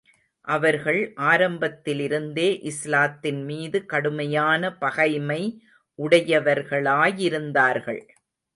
அவர்கள் ஆரம்பத்திலிருந்தே இஸ்லாத்தின் மீது கடுமையான பகைமை உடையவர்களாயிருந்தார்கள்.